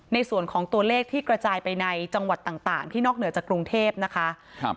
ในส่วนของตัวเลขที่กระจายไปในจังหวัดต่างที่นอกเหนือจากกรุงเทพนะคะครับ